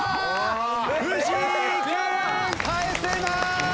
藤井君返せない！